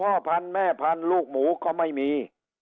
พ่อพันธุ์แม่พันธุ์ลูกหมูก็ไม่มี